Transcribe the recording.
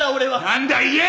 何だ言え！